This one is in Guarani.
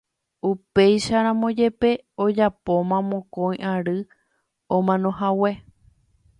upéicharamo jepe ojapóma mokõi ary omanohague